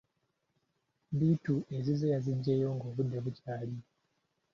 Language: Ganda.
Bittu ezize yaziggyeyo ng'obudde bukyali.